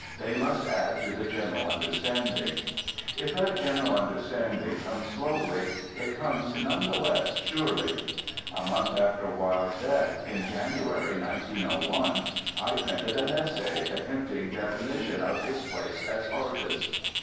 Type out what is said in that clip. They must add to the general understanding. If that general understanding comes slowly, it comes none the less surely. A month .after Wilde's death, in January, 1901, I printed an essay attempting definition of his place as artist.